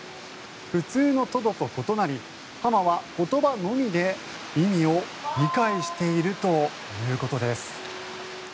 普通のトドと異なりハマは言葉のみで意味を理解しているということです。